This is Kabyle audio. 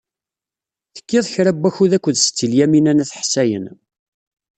Tekkiḍ kra n wakud akked Setti Lyamina n At Ḥsayen.